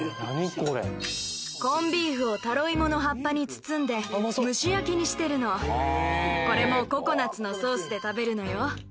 これコンビーフをタロイモの葉っぱに包んで蒸し焼きにしてるのこれもココナッツのソースで食べるのよ